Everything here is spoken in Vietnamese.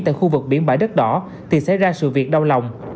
tại khu vực biển bãi đất đỏ thì xảy ra sự việc đau lòng